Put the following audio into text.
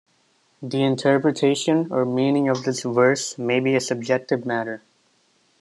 The interpretation or meaning of this verse may be a subjective matter.